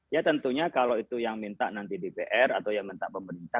ya tentunya kalau itu yang minta nanti dpr atau yang minta pemerintah